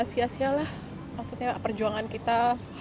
ya gak sia sialah maksudnya perjuangan kita